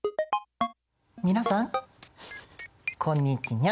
皆さんこんにちにゃん。